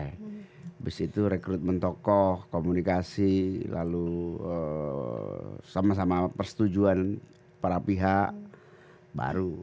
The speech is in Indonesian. habis itu rekrutmen tokoh komunikasi lalu sama sama persetujuan para pihak baru